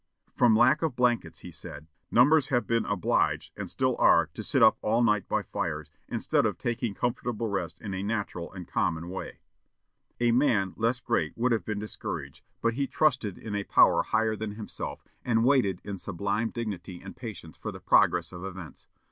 From lack of blankets, he said, "numbers have been obliged, and still are, to sit up all night by fires, instead of taking comfortable rest in a natural and common way." A man less great would have been discouraged, but he trusted in a power higher than himself, and waited in sublime dignity and patience for the progress of events.